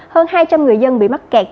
hơn hai trăm linh người dân bị mắc kẹt